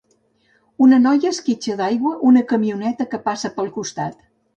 Una noia esquitxa d'aigua una camioneta que passa pel costat.